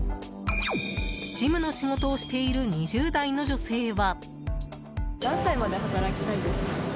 事務の仕事をしている２０代の女性は。